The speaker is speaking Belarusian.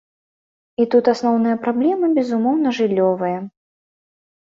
І тут асноўная праблема, безумоўна, жыллёвая.